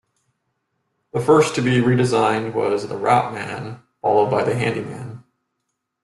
The first to be redesigned was the Routeman, followed by the Handyman.